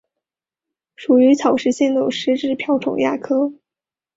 属于草食性的食植瓢虫亚科。